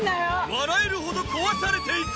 笑えるほど壊されていく！